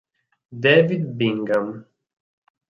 David Bingham